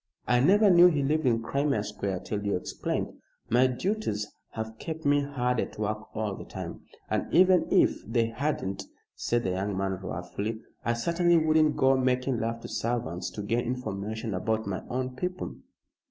I never knew he lived in Crimea Square till you explained. My duties have kept me hard at work all the time. And even if they hadn't," said the young man, wrathfully, "I certainly wouldn't go making love to servants to gain information about my own people."